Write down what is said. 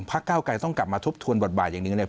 เก้าไกรต้องกลับมาทบทวนบทบาทอย่างหนึ่งเนี่ย